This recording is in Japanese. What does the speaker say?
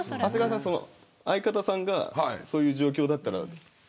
長谷川さん、相方さんがそういう状況だったら。